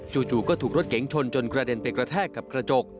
จู่ก็ถูกรถเก๋งชนจนกระเด็นไปกระแทกกับกระจก